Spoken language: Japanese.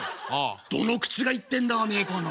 どの口が言ってんだおめえこの。